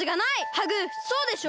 ハグそうでしょ！？